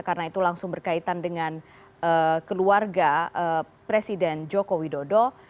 karena itu langsung berkaitan dengan keluarga presiden joko widodo